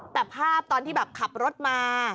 แต่ภาพตอนที่แบบขับรถมา